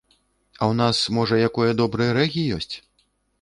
А ў нас, можа, якое добрае рэгі ёсць?